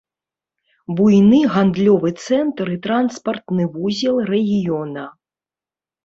Буйны гандлёвы цэнтр і транспартны вузел рэгіёна.